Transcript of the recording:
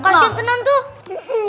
kasian tenang tuh